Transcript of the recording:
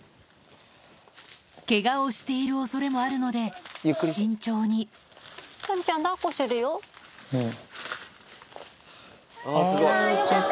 ケガをしている恐れもあるので慎重にあぁよかった。